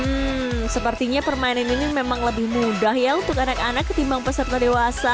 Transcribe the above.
hmm sepertinya permainan ini memang lebih mudah ya untuk anak anak ketimbang peserta dewasa